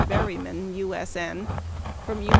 Berryman, U.S.N., from U.